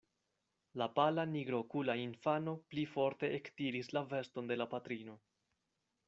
La pala nigrokula infano pli forte ektiris la veston de la patrino.